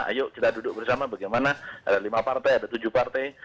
ayo kita duduk bersama bagaimana ada lima partai ada tujuh partai